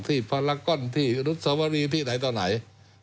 ที่พลากรที่อุธสวรรค์ที่ไหนต่อไหน